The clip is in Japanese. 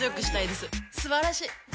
すばらしい！